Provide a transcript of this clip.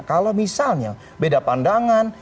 kalau misalnya beda pandangan